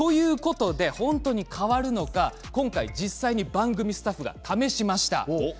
本当に変わるのか今回実際に番組スタッフが試しました。